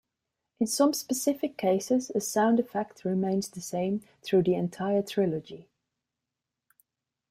In some specific cases, a sound effect remains the same through the entire trilogy.